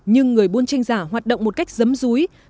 nhưng người buôn tranh giả hoạt động một cách giấm dúi